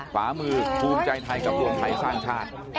ขวามือภูมิใจไทยกับรวมไทยสร้างชาติ